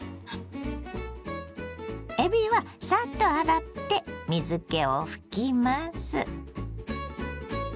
えびはサッと洗って水けを拭きます。